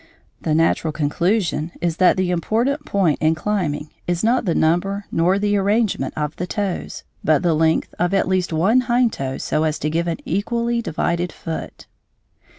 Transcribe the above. The natural conclusion is that the important point in climbing is not the number nor the arrangement of the toes, but the length of at least one hind toe so as to give an equally divided foot.